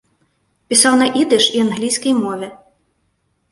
Пісаў на ідыш і англійскай мове.